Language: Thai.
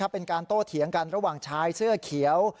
เป็นการโตเถียงกันระหว่างชายเสื้อเขียว